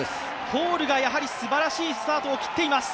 ホールがやはりすばらしいスタートを切っています。